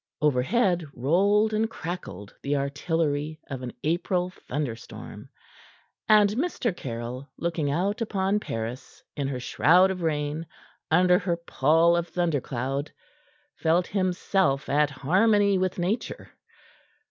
Overhead rolled and crackled the artillery of an April thunderstorm, and Mr. Caryll, looking out upon Paris in her shroud of rain, under her pall of thundercloud, felt himself at harmony with Nature.